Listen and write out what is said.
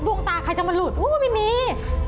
ดวงตาใครจะมาหลุดโอ้ไม่มี